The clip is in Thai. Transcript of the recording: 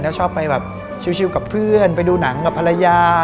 แล้วชอบไปแบบชิลกับเพื่อนไปดูหนังกับภรรยา